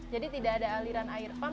jadi tidak ada aliran air pam